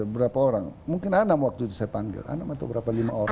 berapa orang mungkin anam waktu itu saya panggil anam atau berapa lima orang